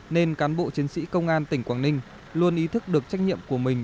nên cán bộ chiến sĩ công an tỉnh quảng ninh luôn ý thức được trách nhiệm của mình